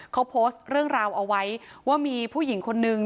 เขาโพสต์เรื่องราวเอาไว้ว่ามีผู้หญิงคนนึง